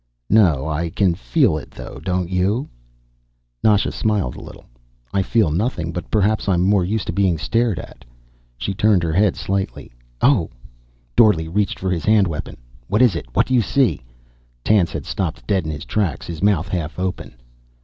"No. I can feel it, though. Don't you?" Nasha smiled a little. "I feel nothing, but perhaps I'm more used to being stared at." She turned her head slightly. "Oh!" Dorle reached for his hand weapon. "What is it? What do you see?" Tance had stopped dead in his tracks, his mouth half open.